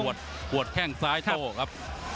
มีหวดแข้งซ้ายโตครับ